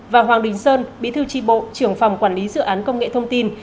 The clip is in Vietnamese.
và hoàng đình sơn bí thư tri bộ trưởng phòng quản lý dự án công nghệ thông tin